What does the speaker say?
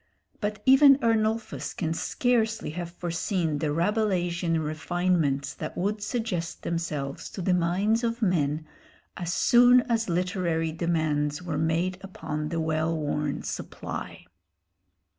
But even Ernulphus can scarcely have foreseen the Rabelaisian refinements that would suggest themselves to the minds of men as soon as literary demands were made upon the well worn supply.